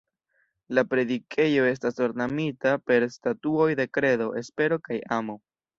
La predikejo estas ornamita per statuoj de Kredo, Espero kaj Amo.